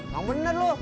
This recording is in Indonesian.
bang bener lo